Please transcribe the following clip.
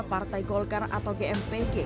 partai golkar atau gmpg